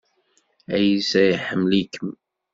Ɛisa iḥemmel-ikem.